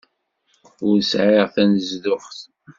Ur sɛiɣ tanezduɣt.